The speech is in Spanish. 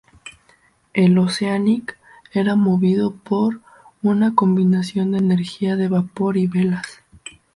El "Oceanic" era movido por una combinación de energía de vapor y velas.